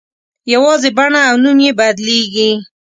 یوازې بڼه او نوم یې بدلېږي.